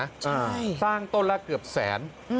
ใช่สร้างต้นละเกือบแสน